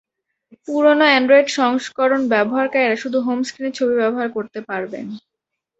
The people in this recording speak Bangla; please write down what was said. পুরোনো অ্যান্ড্রয়েড সংস্করণ ব্যবহারকারীরা শুধু হোম স্ক্রিনে ছবি ব্যবহার করতে পারবেন।